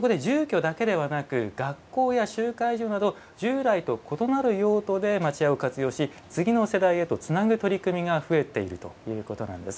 そこで、住居だけではなく学校や集会所など従来と異なる用途で町家を活用し次の世代へとつなぐ取り組みが増えているということなんです。